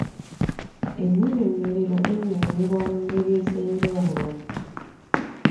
Ennyinyonnyolero ennyonnyolwa mu ngeri ez’enjawulo